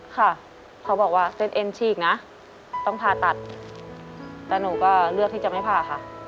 ค่ะเขาบอกว่าเส้นเอ็นฉีกนะต้องผ่าตัดแต่หนูก็เลือกที่จะไม่ผ่าค่ะ